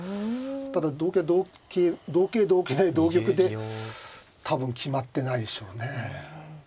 ただ同桂は同桂同桂同桂成同玉で多分決まってないでしょうね。